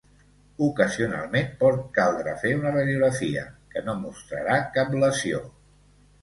Ocasionalment pot caldre fer una radiografia, que no mostrarà cap lesió.